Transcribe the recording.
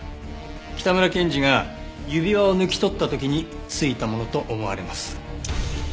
北村ケンジが指輪を抜き取った時に付いたものと思われます。